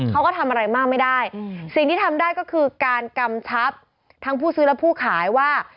เขาก็ทำอะไรมากไม่ได้สิ่งที่ทำได้ก็คือการกำชับทั้งผู้ซื้อและผู้ขายว่า